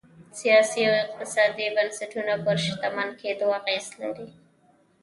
سیاسي او اقتصادي بنسټونه پر شتمن کېدو اغېز لري.